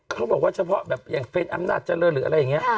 เขาบอกว่าเฉพาะแบบอย่างเป็นอำนาจเจริญหรืออะไรอย่างนี้